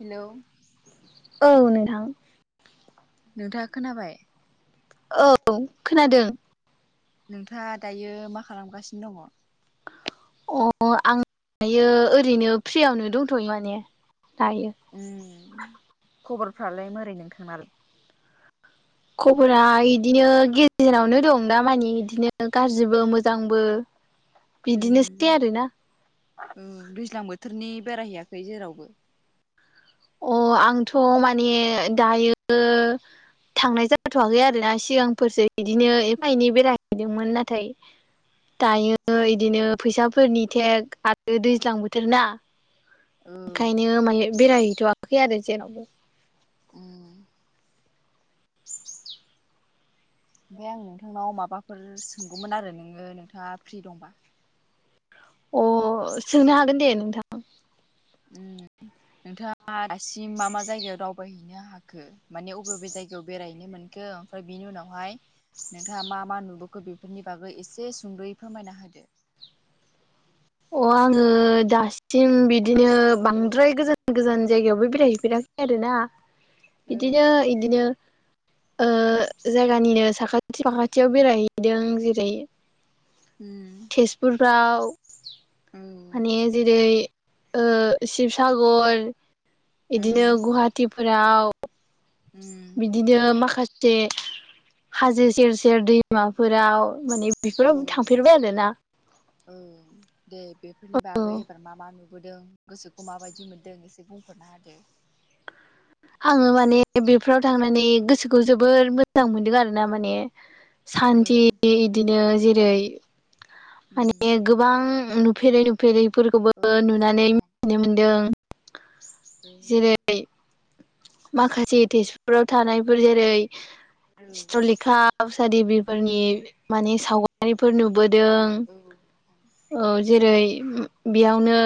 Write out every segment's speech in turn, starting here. हेल' औ नोंथां नोंथाङा खोनाबाय औ खोनादो नोंथाङा दायो मा खालामगासिनो दङ? अ आं दायो ओरैनो फ्रियावनो दंथ'यो माने दायो उ खबरफ्रालाय मोरै नोंथां ना खबरा इदिनो गेजेरावनो दं दा मानि बिदिनो गाज्रिबो मोजांबो [inaudible] उम बिदिनोसै आरोना उम दैज्लां बोथोरनि बेरायहैयाखै जेरावबो अ आंथ' माने दायो थांनाय जाथाथ'वाखै आरोना सिगांफोरसो बिदिनो एफा एनै बेरायहैदोंमोन नाथाय दायो बिदिनो फैसाफोरनि थेग आरो दैज्लां बोथोर ना उम ओंखायनो मामे बेरायहैथ'आाखै आरो जेनावबो उम ओमफ्राय आं नोंथांनाव माबाफोर सोंगौमोन आरो नोङो नोंथाङा फ्रि दंबा अ सोंनो हागोन दे नोंथां उम नोंथाङा दासिम मा मा जाइगायाव दावबायहैनो हाखो माने अबे अबे जायगायाव बेरायहैनो मोनखो ओमफ्राय बिनि उनावहाय नोंथाङा मा मा नुबोखो बेफोरनि बागै एसे सुंद'यै फोरमायना होदो अ आङो दासिम बिदिनो औ बांद्राय गोजोन गोजान जायगायावबो बेरायहैफेराखै आरोना औ बिदिनो इदिनो ओ जायगानिनो साखाथि फाखाथियाव बेरायहैदों जेरै उम तेजपुरफ्राव औ माने जेरै ओ शिबसागर इदिनो उम गुहाटिफोराव उम बिदिनो माखासे हाजो सेर सेर दैमाफोराव माने बेफोराव थांफेरबाय आरो ना ओ दे बेफोरनि बागै एबार मा मा नुबोदों गोसोखौ माबायदि मोनदों एसे बुं बुंफोरना होदो आङो माने बेफोराव थांनानै गोसोखौ जोबोर मोजां मोनदों आरोना माने। औ सान्थि इदिनो जेरै उम माने गोबां नुफेरै नुफेरैफोरखौबो औ नुनानै नोंथां मिथिनो मोनदों। औ जेरै माखासे तेजपुराव थानायफोर जेरै औ चित्रलेखा उसादेबिफोरनि माने सावगारिफोर नुबोदों। औ नोंथां औ जेरै उम बेयावनो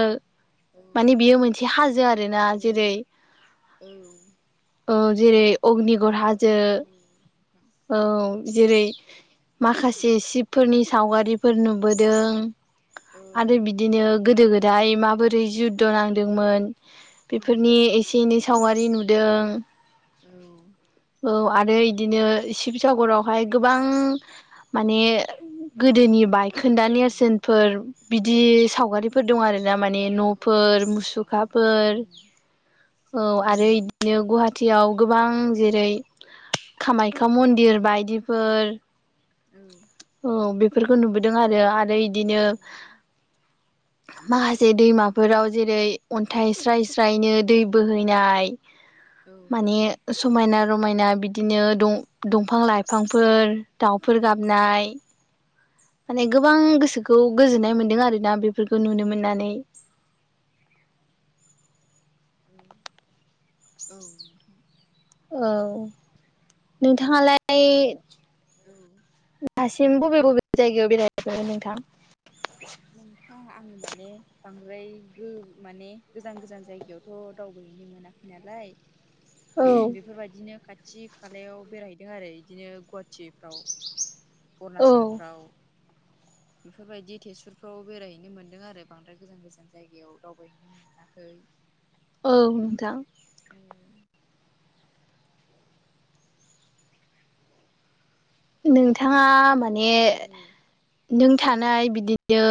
औ माने बियो मोनसे हाजो आरोना। औ जेरै औ औ जेरै अग्निगड़ हा जो औ जेरै माखासे उम सिब फोरनि सावगारिफोर नुबोदों औ आरो बिदिनो गोदो गोदाय माबोर रै जुद्ध नांदोंमोन। बेफोरनि उम एसे एनै सावगारि नुदों। औ आरो इदिनो शिबसागरावहाय गोबां माने गोदोनि बाय खोन्दा नेरसोनफोर बिदि सावगारिफोर दं आरोना मा ने न'फोर औ मुखाफोर नोंथां औ आरो‌ उम इदिनो गुवाहाट थियाव गोबां जेरै कामाख्या मन्दिर बायदिफोर औ औ बेफोरखौ नुबोदों आरो। आरो इदिनो उम माह से दैमाफोराव जेरै अन्थाइ स्राय स्रायनो दै बोहैनाय। औ माने उम समायना रमायना बिदिनो दं-दंफां लाइफांफोर औ नोंथां दाउफोर उम गाबनाय माने गोबां गोसोखौ गोजोननाय मोन्दों आरोना बेफोरखौ नुनो मोननानै। औ औ नोंथां औ नोंथाङालाय औ दासिम बबे बबे जायगायाव बेरायहैफेरखो नोंथां? नोंथां आङो माने बांद्राय गो माने गोजान गोजान जायगायावथ' दावबायहैनो मोना नालाय औ उम बेफोरबायदिनो खा‌ थि खालायाव बेरायहैदों आरो इदिनो गुवाहाटिफ्राव औ अरुनाचलफ्राव। बेफोरबायदि तेजपुरफ्राव बेरायहैनो मोनदों आरो बांद्राय गोजान गोजान जायगायाव दावबायहैनो मोनाखै। औ नोंथां औ नोंथाङा माने औ नों थानाय बिदि नो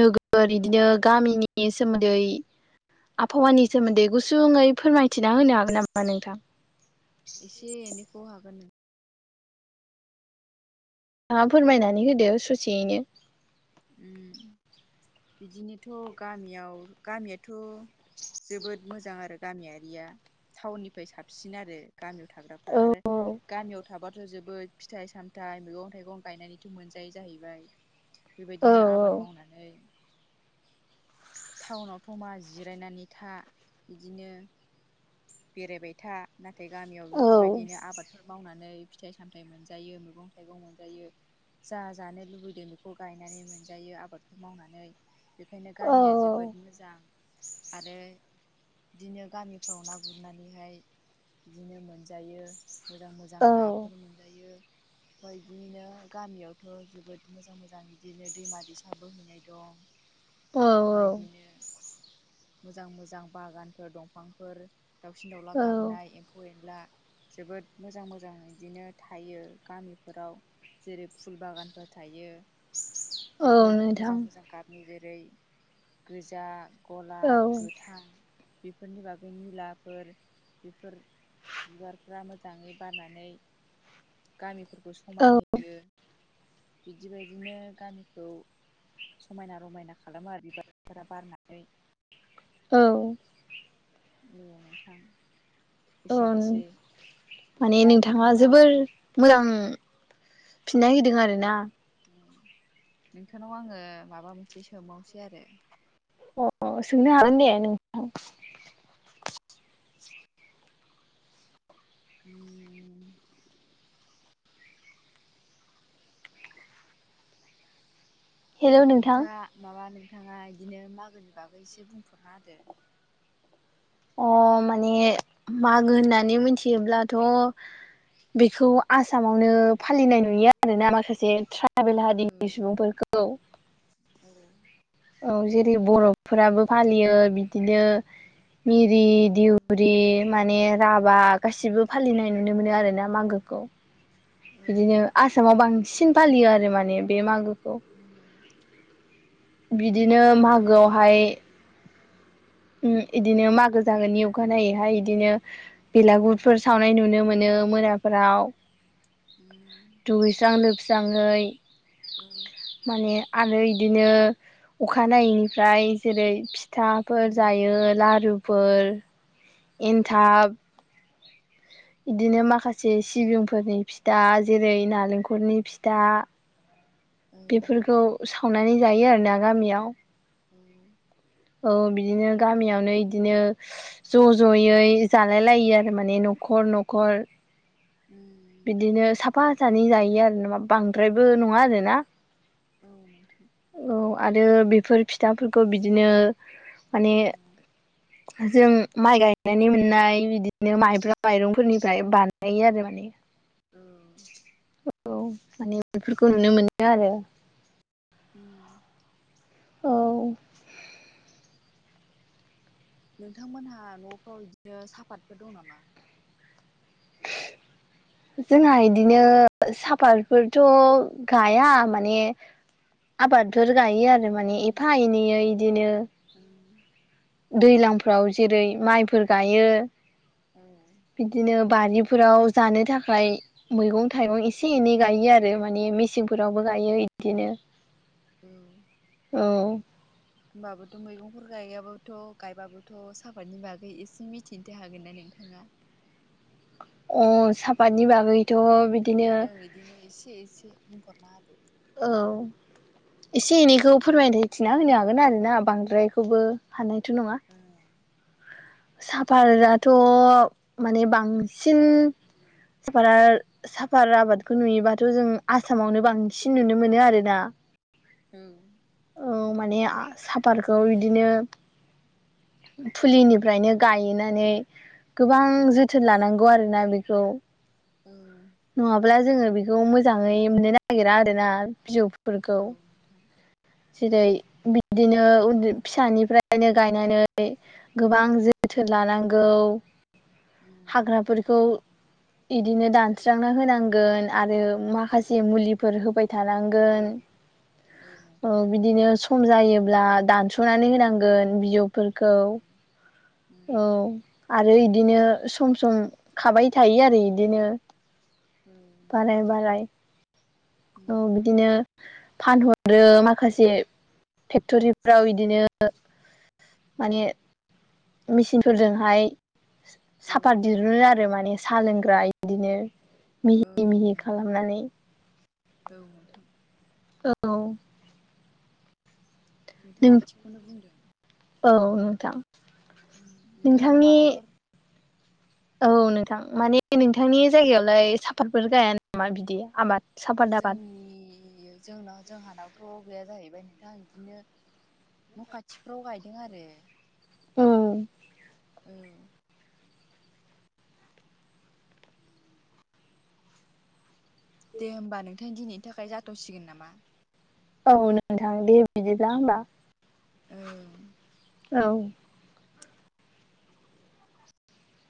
नोगोर इदिनो गामिनि सोमोन्दै आबफावानि सोमोन्दै गुसुङै फोरमायथिना होनो हागोन नामा नोंथां? इसे एनैखौ हागोन नों नोंथाङा फोरमायनानै होदो स'सेयैनो। उम बिदिनोथ' गामियाव गामियाथ' जोबोद मोजां आरो गामियारिया टाउननिफाय साबसिन आरो गामियाव थाग्राफ्रा औ आरो गामियाव थाबाथ' जोबोद फिथाइ साम थाइ मैगं थाइगं गायनानैथ' मोनजायो जाहैबाय। औ बेबायदिनो आबाद मावनानै टाउनावथ' मा जिरायनानै था इदिनो बेरायबाय था नाथाय गामियाव औ बेफोरबायदिनो आबाद फोर मावनानै फिथाइ सामथाइ मोनजायो मैगं थाइगं मोनजायो जा जानो लुबैदों बेखौ खौ गायनानै मोनजायो आबादफोर मावनानै बेखायनो गामिया जोब बोद मोजां आरो बिदिनो गामिफ्राव ना गुरनानैहाय बिदिनो मोनजायो मोजां मोजां औ नाफोर मोनजायो ओमफाय इदियैनो गामियावथ' जोबोद मोजां मोजां मोजां इदिनो दैमा दैसा बोहैनाय दं औ बा इदिनो मोजां मोजां बागानफोर दंफांफोर दाउसिन दाउला गाबनाय एम्फौ एनला जोबोद मोजां मोजां इदिनो थायो गामिफोराव जेरै फुल बागानफोर थायो औ जोबोद नोंथां मोजां मोजां गाबनि जेरै गोजा गलाब गोथां बेफोरनि बागै निलाफोर बेफोर बिबारफ्रा मोजाङै बारनानै गामिफोरखौ समायहोयो बिदि बायदिनो गामिखौ समायना रमायना खालामो आरो बिबारफोरा बारनानै औ औ नोंथां औ एसेनोसै माने ओमफ्राय आं नोंथाङा नोंथांनाव जोबोर मोजां फिननाय होदों आरो ना ओं नोंथांनाव आङो माबा मोनसे सोंबावसै आरो अ सोंनो हागोन दे नोंथां उम हेलौ नोंथां नोंथाङा माबा नोंथाङा इदिनो मागोनि बागै इसे बुंफोरना होदो अ माने मागो होननानै मोनथियोब्लाथ' बेखौ आसामावनो फालिनाय नुयो आरोना माखासे ट्रायबेल औ हारिनि सुबुंफोरखौ औ औ जेरै बर'फोराबो फालियो बिदिनो मिरि औ दिउरि माने राभा गासिबो फालिनाय नुनो मोनो आरोना मागोखौ औ बिदिनो नोंथां आसामाव बांसिन फालियो आरो माने बे मागोखौ उम बिदिनो मागोआवहाय उम इदिनो मागो जागोनि अखानायैहाय इदिनो बेलागुरफोर सावनाय नुनो मोनो मोनाफोराव उम दुगैस्रां लोबस्राङै औ माने आरो इदिनो अखानायैनिफ्राय जेरै फिथा फोर उम जायो लारुफोर एन्थाब इदिनो माखासे सिबिंफोरनि फिथा जेरै नालेंखलनि फिथा [inaudible] बेफोरखौ सावनानै जायो आरोना गामियाव। औ औ औ बिदिनो गामियावनो इदिनो ज' ज'यै जालाय लायो आरो माने न'खर न'खर। उम नोंथां बिदिनो साफा सानै जायो आरो नामा बांद्रायबो नङा आरोना। औ नोंथां औ आरो बेफोर फिथाफोरखौ बिदिनो माने औ जों माइ गायनानै मोननाय बिदिनो माइब्रा औ माइरंफोरनिफ्राय बानायो आरो माने। औ औ माने बेफोरखौ नुनो मोनो आरो। औ नोंथांमोनहा न'फ्राव बिदिनो सापातफोर दं नामा? जोंहा इदिनो सापातफोरथ' गाया माने आबादफोर गायो आरो माने एफा एनैैयै इदिनो दैलांफ्राव जेरै माइफोर गायो। उम बिदिनो बारिफोराव जानो थाखाय मैगं थाइगं एसे एनै गायो आरो माने मेसेंफोरावबो गायो इदिनो। औ औ होमबाबोथ' मैगंफोर गायाबोथ' गायबाबोथ' साफातनि बागै एसे मिथिनोथ हागोन ना नोंथाङा। अ सापातनि बागैथ' बिदिनो ओं बिदिनो एसे एसे बुंहरना होदो। औ एसे एनैखौ फोरमाय थिना होनो हागोन आरोना बांद्रायखौबो हनायथ' नङा। उम साफारआथ' माने बांसिन सापार साफार आबादखौ नुयोबाथ' जों आसामावनो बांसिन नुनो मोनो आरोना। उम औ माने सापातखौ बिदिनो फुलिनि फ्रायनो गायनानै गोबां जोथोन लानांगौ आरोना बेखौ। औ नङाब्ला जोङो बेखौ मोजाङै मोननो नागिरा आरो ना बिजौफोरखौ। नोंथां जेरै बिदिनो उनदै फिसानिफ्रायनो गायनानै गोबां जोथोन लानांगौ। ओं हाग्राफोरखौ इदिनो दान होनांगोन आरो माखासे मुलि फोर होबाय औ थानांगोन ओ नोंथां बिदिनो सम जायोब्ला दानस'नानै होनांगोन बिजौफोरखौ। औ आरो इदिनो सम सम खाबाय थायो आरो इदिनो। ओं औ बाराय नोंथां बाराय औ बिदिनो फानहरो माखासे फेक्टरिफोराव बिदिनो। ओ माने मेसििन फोरजोंहाय साफात नोंथां दहुनो आरो माने साहा लोंग्रा इदिनो मिहि ओं मिहि नोंथां खालामनानै औ नोंथां औ नोंथाङा नों थिगखौनो बुंदों औ नोंथां नोंथाङाबो नोंथांनि माबाफोर औ नोंथां माने नोंथांनि जायगायावलाय साफातफोर गाया नामा बिदि आबाद सापात आबाद जोंनि जोंनाव जोंहानावथ' गैया जाहैबाय नोंथां बिदिनो न' खाथिफ्राव गायदों आरो उम औ दे होमबा नोंथां दिनैनि थाखाय जाथाव'सिगोन नामा औ नोंथां दे बिदिब्ला होमबा ओंम औ